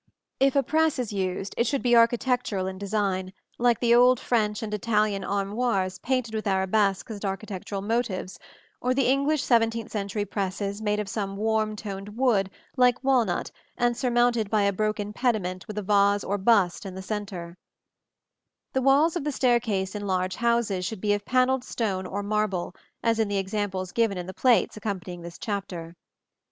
If a press is used, it should be architectural in design, like the old French and Italian armoires painted with arabesques and architectural motives, or the English seventeenth century presses made of some warm toned wood like walnut and surmounted by a broken pediment with a vase or bust in the centre (see Plate XXXIII). The walls of the staircase in large houses should be of panelled stone or marble, as in the examples given in the plates accompanying this chapter.